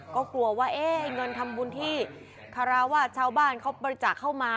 ก็กลัวว่าเงินทำบุญที่คาราวาสชาวบ้านเขาบริจาคเข้ามา